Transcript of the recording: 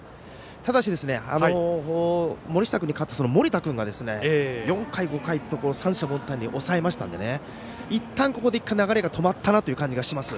ただし、森下君に代わった森田君が４回、５回と三者凡退に抑えましたのでいったん、ここで流れが止まったなという感じがします。